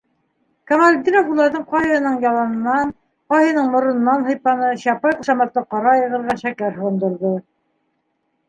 - Камалетдинов уларҙың ҡайһыһының ялынан, ҡайһыһының морононан һыйпаны, «Чапай» ҡушаматлы ҡара айғырға шәкәр һоғондорҙо.